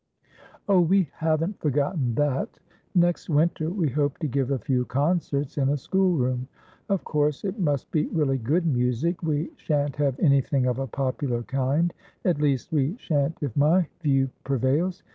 "Oh, we haven't forgotten that. Next winter we hope to give a few concerts in a schoolroom. Of course it must be really good music; we shan't have anything of a popular kindat least, we shan't if my view prevails.